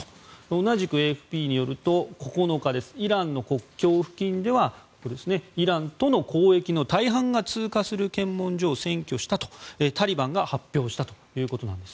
同じくＡＦＰによると９日イランの国境付近ではイランとの交易の大半が通過する検問所を占拠したとタリバンが発表したということです。